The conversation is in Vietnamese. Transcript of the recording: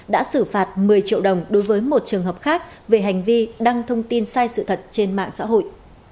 đã xử phạt một mươi triệu đồng đối với một trường hợp khác về hành vi đăng thông tin sai sự thật trên mạng xã hội